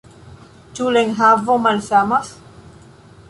Ĉu la enhavo malsamas?